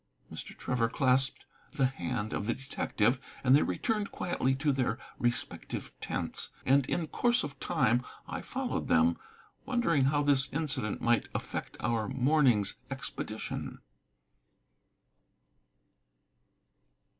Mr. Trevor clasped the hand of the detective, and they returned quietly to their respective tents. And in course of time I followed them, wondering how this incident might affect our morning's expedition.